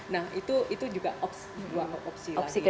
nah itu juga dua opsi lagi